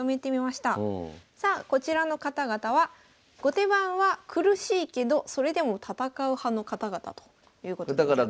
さあこちらの方々は後手番は苦しいけどそれでも戦う派の方々ということになります。